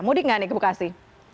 mudik nggak nih ke bekasi